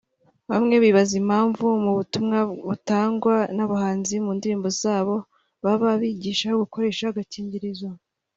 Bamwe bibaza impamvu mu butumwa butangwa n’abahanzi mu ndirimbo zabo baba bigisha gukoresha agakingirizo